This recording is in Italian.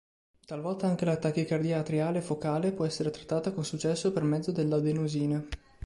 Talvolta anche la tachicardia atriale focale può essere trattata con successo per mezzo dell'adenosina.